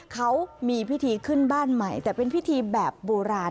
เขามีพิธีขึ้นบ้านใหม่แต่เป็นพิธีแบบโบราณ